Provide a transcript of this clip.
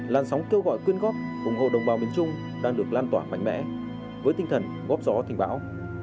làn sóng kêu gọi quyên góp ủng hộ đồng bào miền trung đang được lan tỏa mạnh mẽ với tinh thần góp gió thành bão